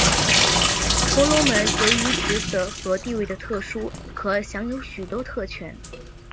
婆罗门由于职责和地位的特殊可享有许多特权。